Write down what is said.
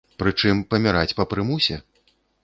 Пры чым паміраць па прымусе?